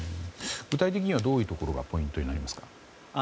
具体的にはどういうところがポイントになりますか。